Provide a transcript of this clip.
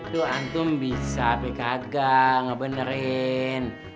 tuh antum bisa beka agar ngebenerin